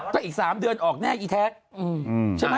ก็อีก๓เดือนออกแน่ไอ้แทไท